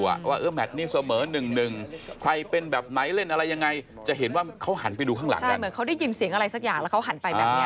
ว่าเออแมทนี่เสมอหนึ่งใครเป็นแบบไหนเล่นอะไรยังไงจะเห็นว่าเขาหันไปดูข้างหลังนะ